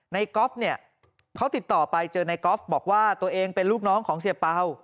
ก๊อฟเนี่ยเขาติดต่อไปเจอในกอล์ฟบอกว่าตัวเองเป็นลูกน้องของเสียเป่า